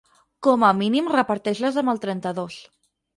Com a mínim reparteix-les amb el trenta-dos.